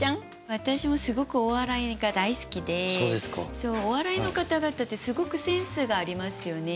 私もすごくお笑いが大好きでお笑いの方々ってすごくセンスがありますよね。